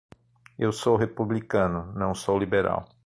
Eu sou republicano, não sou liberal.